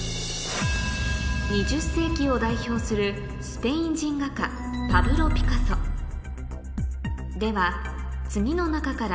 ２０世紀を代表するスペイン人画家では次の中から